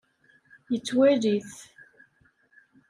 Yettwali-t.